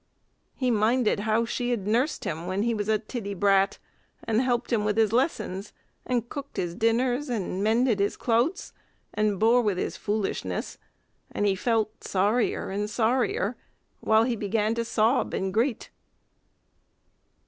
He minded how she'd nursed him when he was a tiddy brat, and helped him with his lessons, and cooked his dinners, and mended his clouts, and bore with his foolishness; and he felt sorrier and sorrier, while he began to sob and greet.